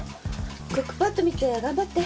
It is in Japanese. クックパッド見て頑張って。